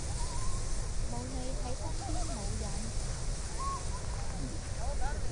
冇你喺身邊冇癮